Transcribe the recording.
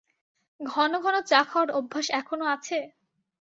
ঘন-ঘন চা খাওয়ার অভ্যাস এখনো আছে?